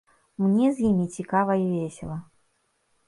Мне з імі цікава і весела.